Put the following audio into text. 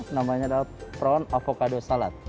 namanya adalah fron avocado salad